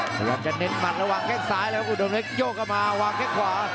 เรากำลังจะเน็ตมัดระหว่างแค่ซ้ายแล้วอุดมเล็กโยกออกมาวางแค่ขวา